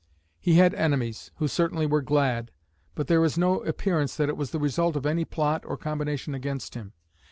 He had enemies, who certainly were glad, but there is no appearance that it was the result of any plot or combination against him.